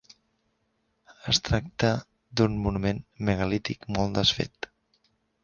Es tracta d'un monument megalític molt desfet.